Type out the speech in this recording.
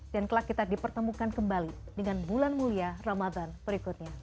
dan kelak kita dipertemukan kembali dengan bulan mulia ramadan berikutnya